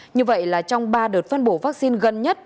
như vậy là trong ba đợt phân bổ vaccine gần nhất